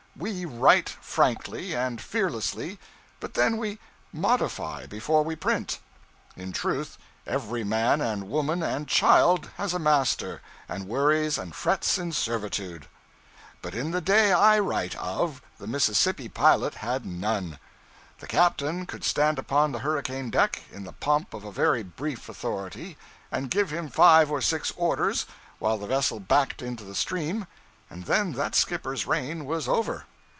We write frankly and fearlessly, but then we 'modify' before we print. In truth, every man and woman and child has a master, and worries and frets in servitude; but in the day I write of, the Mississippi pilot had none. The captain could stand upon the hurricane deck, in the pomp of a very brief authority, and give him five or six orders while the vessel backed into the stream, and then that skipper's reign was over.